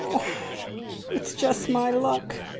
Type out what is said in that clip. "It's just my luck!"